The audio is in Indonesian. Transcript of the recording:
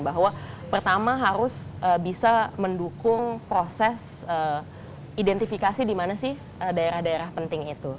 bahwa pertama harus bisa mendukung proses identifikasi di mana sih daerah daerah penting itu